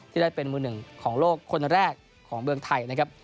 ที่ได้เป็นมือหนึ่งของโลกคนแรกของเมืองไทยนะครับ